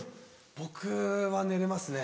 僕は寝れますね。